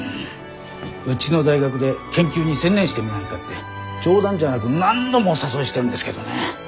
うちの大学で研究に専念してみないかって冗談じゃなく何度もお誘いしてるんですけどね。